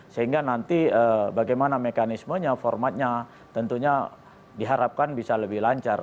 sehingga nanti bagaimana mekanismenya formatnya tentunya diharapkan bisa lebih lancar